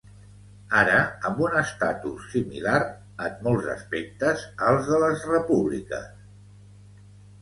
Ara amb un estatus similar en molts aspectes als de les repúbliques.